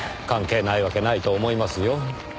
関係ないわけないと思いますよ。